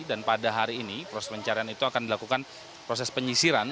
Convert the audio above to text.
dan pada hari ini proses pencarian itu akan dilakukan proses penyisiran